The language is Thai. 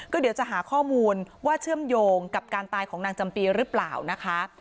เดี๋ยวจะหาข้อมูลว่าเชื่อมโยงกับการตายของนางจำปีหรือเปล่านะคะ